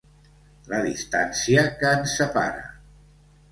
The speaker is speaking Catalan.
La distància que ens separa.